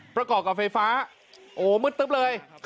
ประกอบกับไฟฟ้าโอ้มืดตึ๊บเลย